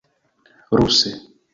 ruse